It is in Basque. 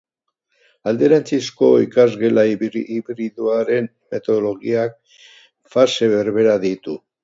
Alderantzizko ikasgela hibridoaren metodologiak fase berberak ditu.